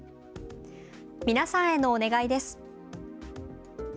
皆さんへのお願いです。